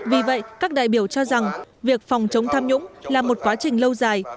vì vậy các đại biểu cho rằng việc phòng chống tham nhũng là một quá trình lâu dài